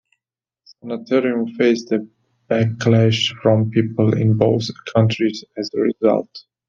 Sanitarium faced a backlash from people in both countries as a result.